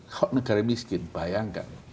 kalau negara miskin bayangkan